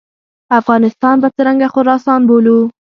افغانستان به څرنګه خراسان بولو.